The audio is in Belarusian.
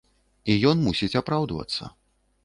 І ён мусіць апраўдвацца.